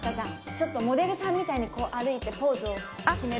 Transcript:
ちょっとモデルさんみたいにこう歩いてポーズを決める。